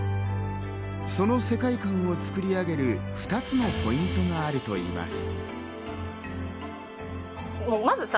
その世界観を作り上げる２つのポイントがあるといいます。